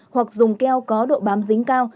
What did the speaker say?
hoặc dùng keo có độ bám dính cao